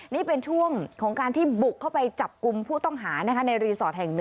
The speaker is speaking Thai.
นี่เป็นช่วงของการที่บุกเข้าไปจับกลุ่มผู้ต้องหาในรีสอร์ทแห่ง๑